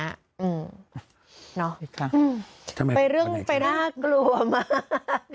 นะไปเรื่องไปน่ากลัวมาก